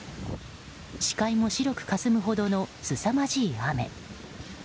視界も白くかすむほどのすさまじい雨。